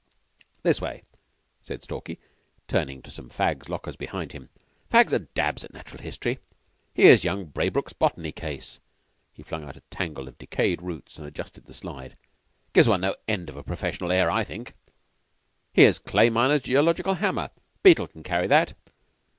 "This way," said Stalky, turning to some fags' lockers behind him. "Fags are dabs at Natural History. Here's young Braybrooke's botany case." He flung out a tangle of decayed roots and adjusted the slide. "'Gives one no end of a professional air, I think. Here's Clay Minor's geological hammer. Beetle can carry that.